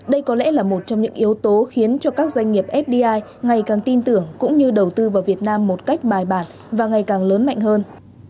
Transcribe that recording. đây có lẽ là một trong những yếu tố khiến cho các doanh nghiệp fdi ngày càng tin tưởng cũng như đầu tư vào việt nam một cách bài bản và ngày càng lớn mạnh hơn